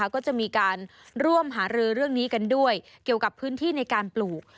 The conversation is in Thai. ก็จะมีการร่วมหารือเรื่องนี้กันด้วยเกี่ยวกับพื้นที่ในการปลูก